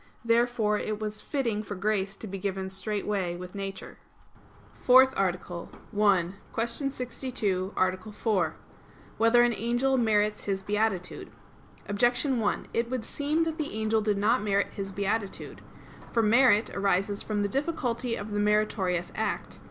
Therefore it was fitting for grace to be given straightway with nature. _______________________ FOURTH ARTICLE [I, Q. 62, Art. 4] Whether an Angel Merits His Beatitude? Objection 1: It would seem that the angel did not merit his beatitude. For merit arises from the difficulty of the meritorious act.